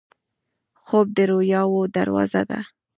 خوب د رویاوو دروازه ده